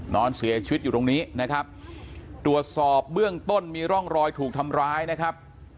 นอนเสียชีวิตอยู่ตรงนี้นะครับตรวจสอบเบื้องต้นมีร่องรอยถูกทำร้ายนะครับ